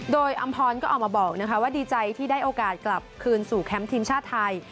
โดยอำพรก็ออกมาบอกว่าดีใจที่ได้โอกาสกลับคืนสู่แคมป์ทีมชาติไทย